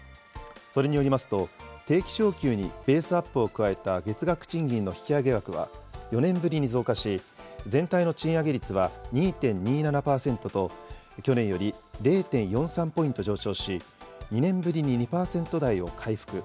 それによりますと、定期昇給にベースアップを加えた月額賃金の引き上げ額は４年ぶりに増加し、全体の賃上げ率は２．２７％と、去年より０．４３ポイント上昇し、２年ぶりに２％台を回復。